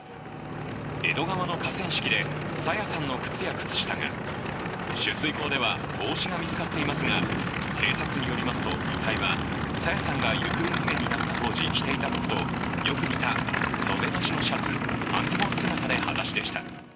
江戸川の河川敷で、朝芽さんの靴や靴下が取水口では帽子が見つかっていますが警察によりますと、遺体は朝芽さんが行方不明になった当時着ていた服とよく似た袖なしのシャツ、半ズボン姿で、はだしでした。